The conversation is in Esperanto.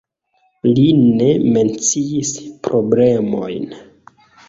Li ne menciis problemojn.